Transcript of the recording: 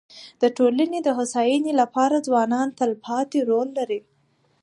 د ټولني د هوسايني لپاره ځوانان تلپاتي رول لري.